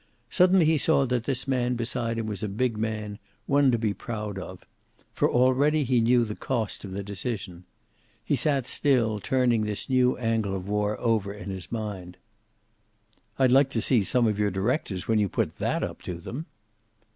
Suddenly he saw that this man beside him was a big man, one to be proud of. For already he knew the cost of the decision. He sat still, turning this new angle of war over in his mind. "I'd like to see some of your directors when you put that up to them!"